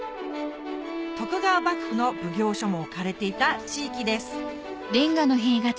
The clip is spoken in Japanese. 徳川幕府の奉行所も置かれていた地域です